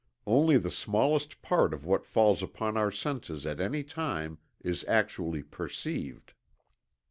Only the smallest part of what falls upon our senses at any time is actually perceived."